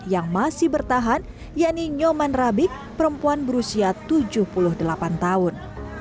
yang masih bertahan yaitu nyoman rabik perempuan berusia tujuh puluh delapan tahun